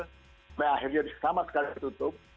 sampai akhirnya sama sekali tutup